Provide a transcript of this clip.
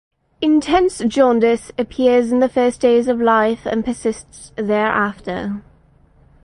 Intense jaundice appears in the first days of life and persists thereafter.